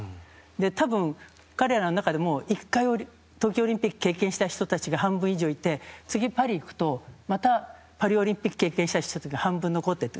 多分、彼らの中でも１回東京オリンピックを経験した人たちが半分以上いて次、パリ行くとまた、パリオリンピックを経験した人が半分残ってて。